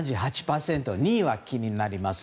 ２位は気になります。